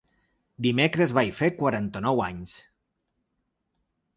Dimecres vaig fer quaranta-nou anys.